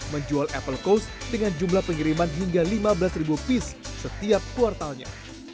menjual apple coast dengan jumlah pengiriman hingga lima belas ribu piece setiap kuartalnya